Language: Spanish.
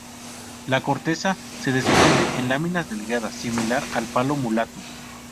La corteza se desprende en láminas delgadas, similar al palo mulato.